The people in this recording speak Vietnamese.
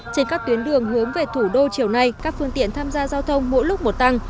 trên các tuyến đường hướng về thủ đô chiều nay các phương tiện tham gia giao thông mỗi lúc một tăng